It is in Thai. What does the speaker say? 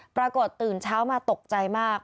ตื่นเช้ามาตกใจมาก